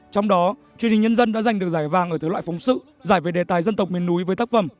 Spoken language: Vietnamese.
trong đó truyền hình nhân dân đã giành được giải vàng ở thể loại phóng sự giải về đề tài dân tộc miền núi với tác phẩm